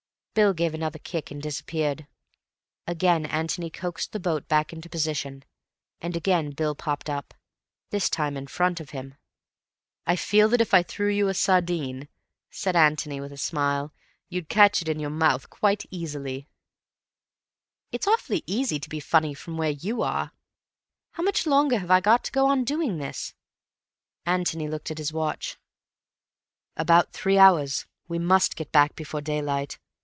Bill gave another kick and disappeared. Again Antony coaxed the boat back into position, and again Bill popped up, this time in front of him. "I feel that if I threw you a sardine," said Antony, with a smile, "you'd catch it in your mouth quite prettily." "It's awfully easy to be funny from where you are. How much longer have I got to go on doing this?" Antony looked at his watch. "About three hours. We must get back before daylight.